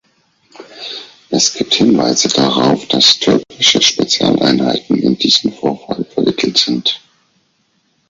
Es gibt Hinweise darauf, dass türkische Spezialeinheiten in diesen Vorfall verwickelt sind.